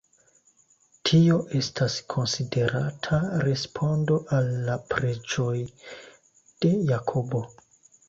Tio estas konsiderata respondo al la preĝoj de Jakobo.